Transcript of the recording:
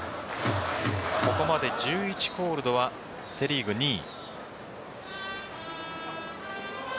ここまで１１ホールドはセ・リーグ２位。